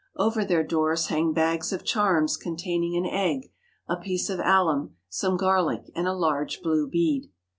Over their doors hang bags of charms containing an egg, a piece of alum, some gariic, and a large blue bead.